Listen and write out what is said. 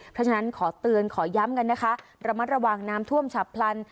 เพราะฉะนั้นขอเตือนขอย้ำกันนะคะระมัดระวังน้ำท่วมฉับพลัน